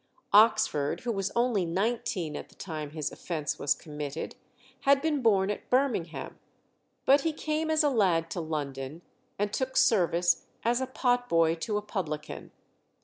Oxford, who was only nineteen at the time his offence was committed, had been born at Birmingham, but he came as a lad to London, and took service as a pot boy to a publican.